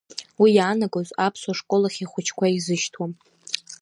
Уи иаанагоз аԥсуа школ ахь ихәыҷқәа изышьҭуам.